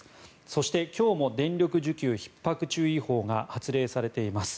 そして、今日も電力需給ひっ迫注意報が発令されています。